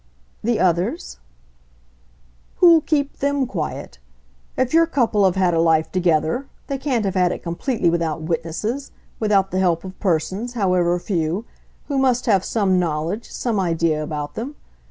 "The others ?" "Who'll keep THEM quiet? If your couple have had a life together, they can't have had it completely without witnesses, without the help of persons, however few, who must have some knowledge, some idea about them.